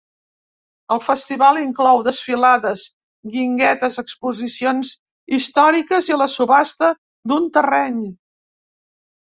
El festival inclou desfilades, guinguetes, exposicions històriques i la subhasta d'un terreny.